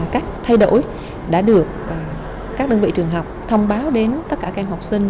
các thay đổi đã được các đơn vị trường học thông báo đến tất cả các em học sinh